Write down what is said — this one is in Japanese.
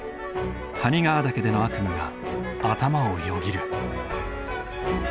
谷川岳での悪夢が頭をよぎる。